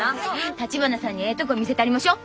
橘さんにええとこ見せたりましょ。